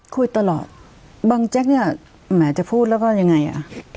คุยตลอดบังแจ๊กเนี่ยแหมจะพูดแล้วก็ยังไงอ่ะ